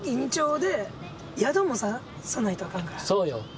そうよ。